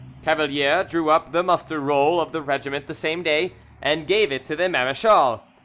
Cavalier drew up the muster roll of the regiment the same day, and gave it to the marechal.